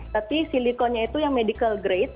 tapi silikonnya itu yang medical grade